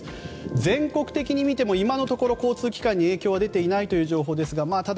全国的に見ても、今のところ交通機関に影響は出ていない情報ですがただ、